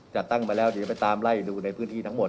จัดตั้งไปแล้วเดี๋ยวจะไปตามไล่ดูในพื้นที่ทั้งหมด